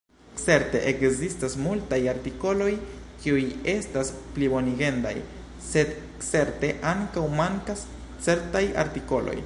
Certe ekzistas multaj artikoloj kiuj estas plibonigendaj, sed certe ankaŭ mankas certaj artikoloj.